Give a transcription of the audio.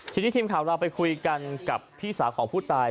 ทีนี้ทีมข่าวเราไปคุยกันกับพี่สาวของผู้ตาย